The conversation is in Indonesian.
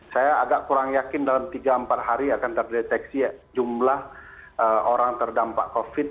saya agak kurang yakin dalam tiga empat hari akan terdeteksi jumlah orang terdampak covid